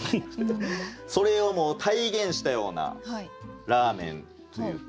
それをもう体現したようなラーメンというか。